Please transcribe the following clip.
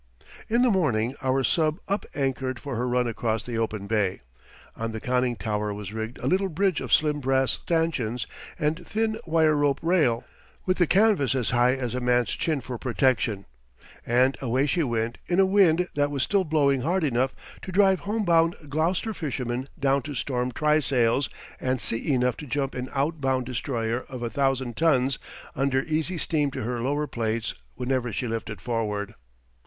In the morning our sub up anchored for her run across the open bay. On the conning tower was rigged a little bridge of slim brass stanchions and thin wire rope rail, with the canvas as high as a man's chin for protection; and away she went in a wind that was still blowing hard enough to drive home bound Gloucester fishermen down to storm trysails and sea enough to jump an out bound destroyer of a thousand tons under easy steam to her lower plates whenever she lifted forward.